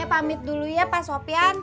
saya pamit dulu ya pak sopyan